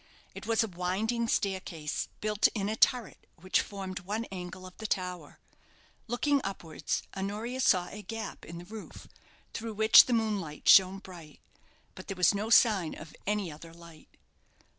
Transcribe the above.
It was a winding staircase, built in a turret which formed one angle of the tower. Looking upwards, Honoria saw a gap in the roof, through which the moonlight shone bright. But there was no sign of any other light.